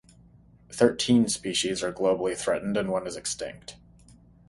Thirteen species are globally threatened and one is extinct.